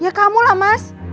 ya kamu lah mas